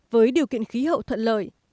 với điều kiện khí hậu thuận lợi